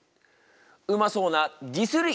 うまそうな「ディスる」一丁！